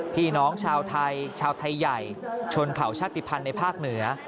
พี่น้องชาวไทยชาวไทยใหญ่ชนเผาชาติภัณฑ์ในภาคเหนือ